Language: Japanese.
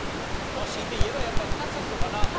強いていえばやっぱ窒素かなと。